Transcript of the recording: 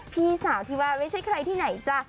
พี่สาวที่ว่าไม่ใช่ใครที่ไหนจ้ะ